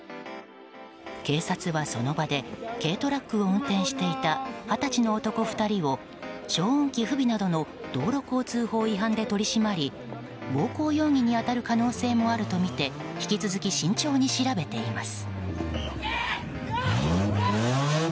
警察はその場で軽トラックを運転していた二十歳の男２人を消音機不備などの道路交通法違反で取り締まり暴行容疑に当たる可能性もあるとみて引き続き慎重に調べています。